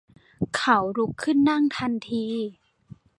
เขาลุกขึ้นนั่งทันที